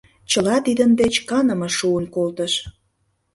Чыла тидын деч каныме шуын колтыш.